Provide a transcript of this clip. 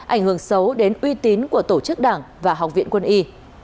ảnh hưởng xấu đến uy tín của tổ chức đảng và học viện quân y